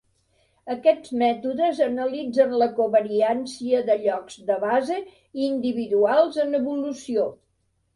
Aquests mètodes analitzen la covariància de llocs de base individuals en evolució.